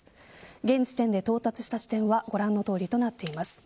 現時点で到達した地点はご覧の通りとなっています。